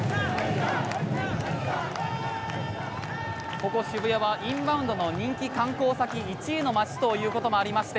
ここ渋谷はインバウンドの人気観光先１位の街ということもありまして